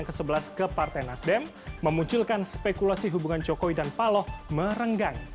ke sebelas ke partai nasdem memunculkan spekulasi hubungan jokowi dan paloh merenggang